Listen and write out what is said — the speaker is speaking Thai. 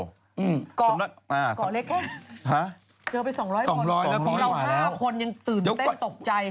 กเล็กเจอไป๒๐๐คนแล้วนะ๒๐๐มาแล้วเรา๕คนยังตื่นเต้นตกใจ